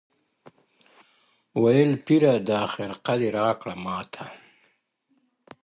• ویل پیره دا خرقه دي راکړه ماته ,